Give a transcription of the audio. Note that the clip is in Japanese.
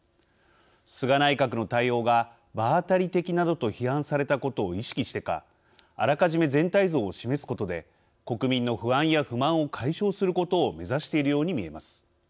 菅内閣の対応が場当たり的などと批判されたことを意識してかあらかじめ全体像を示すことで国民の不安や不満を解消することを目指しているように見えます。